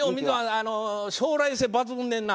あの将来性抜群でんな。